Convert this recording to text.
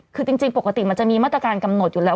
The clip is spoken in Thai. คือจริงปกติมันจะมีมาตรการกำหนดอยู่แล้ว